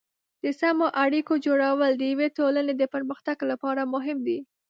د سمو اړیکو جوړول د یوې ټولنې د پرمختګ لپاره مهم دي.